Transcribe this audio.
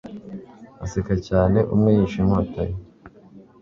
Baseka cyane umwe yishe inkota ye